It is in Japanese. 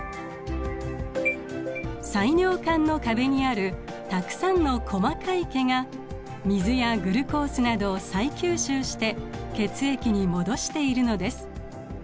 細尿管の壁にあるたくさんの細かい毛が水やグルコースなどを再吸収して血液に戻しているのです。